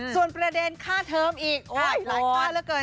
ส่วนประเด็นค่าเทิมอีกหลายค่าเหลือเกิน